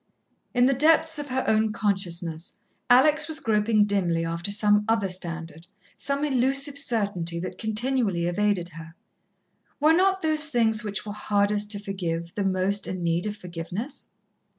In the depths of her own consciousness, Alex was groping dimly after some other standard some elusive certainty, that continually evaded her. Were not those things which were hardest to forgive, the most in need of forgiveness?